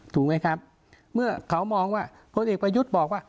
ถูกไหมครับเมื่อเขามองว่าพลเอกประยุทธ์บอกว่า